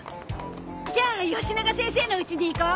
じゃあよしなが先生の家に行こう。